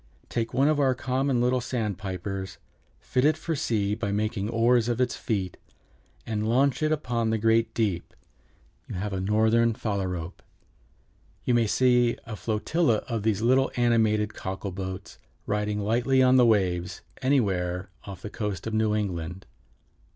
Take one of our common little sandpipers, fit it for sea by making oars of its feet, and launch it upon the great deep, you have a Northern Phalarope. You may see a flotilla of these little animated cockle boats riding lightly on the waves anywhere off the coast of New England."